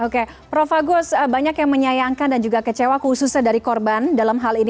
oke prof agus banyak yang menyayangkan dan juga kecewa khususnya dari korban dalam hal ini